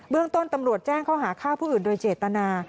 เรื่องต้นตำรวจแจ้งข้อหาฆ่าผู้อื่นโดยเจตนา